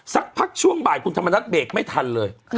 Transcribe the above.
สักพักช่วงบ่ายคุณธรรมนัฐเบรกไม่ทันเลย